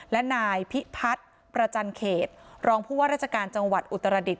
และนายพิพัฒน์ประจันเขตรองผู้ว่าราชการจังหวัดอุตรดิษ